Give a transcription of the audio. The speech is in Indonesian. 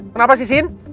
kenapa sih sin